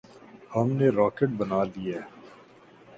ہم نے راکٹ بنا لیے۔